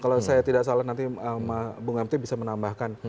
kalau saya tidak salah nanti bung amti bisa menambahkan